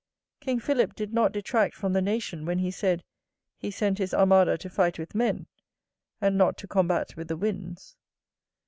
King Philip did not detract from the nation, when he said, he sent his armada to fight with men, and not to combat with the winds.